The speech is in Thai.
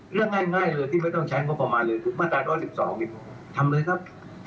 เรื่องง่ายเลยที่ไม่ต้องใช้งบประมาณเลยคือมาตรา๑๑๒ทำเลยครับ